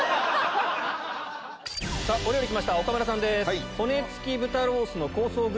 お料理来ました岡村さんです。